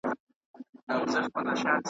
اوس هغه خلک هم لوڅي پښې روان دي .